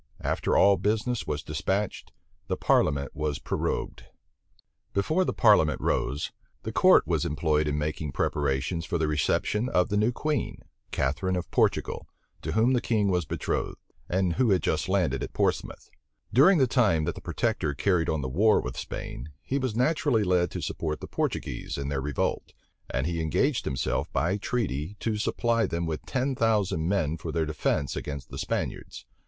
After all business was despatched, the parliament was prorogued. * D'Estrades, July 25, 1661. Mr. Ralph's History, vol. i. p. 176. Before the parliament rose, the court was employed in making preparations for the reception of the new queen, Catharine of Portugal, to whom the king was betrothed, and who had just landed at Portsmouth. During the time that the protector carried on the war with Spain, he was naturally led to support the Portuguese in their revolt; and he engaged himself by treaty to supply them with ten thousand men for their defence against the Spaniards.